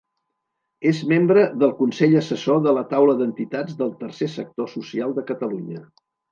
És membre del Consell Assessor de la Taula d'Entitats del Tercer Sector Social de Catalunya.